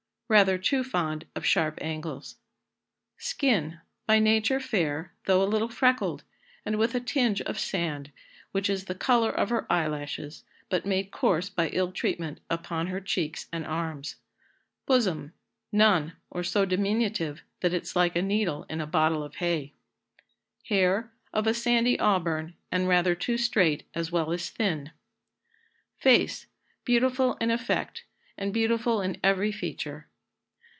_ Rather too fond of sharp angles. Skin. By nature fair, though a little freckled, and with a tinge of sand, which is the colour of her eyelashes, but made coarse by ill treatment upon her cheeks and arms. Bosom. None; or so diminutive, that it's like a needle in a bottle of hay. Hair. Of a sandy auburn, and rather too straight as well as thin. Face. Beautiful in effect, and beautiful in every feature.